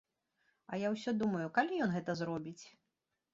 А я ўсё думаю, калі ён гэта зробіць?